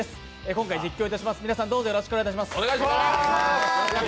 今回、実況いたします、皆さんどうぞよろしくお願いします。